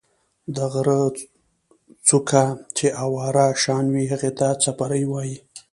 د غرۀ څُوكه چې اواره شان وي هغې ته څپرے وائي۔